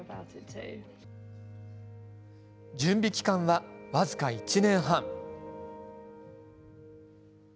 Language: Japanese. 準備期間は、僅か１年半。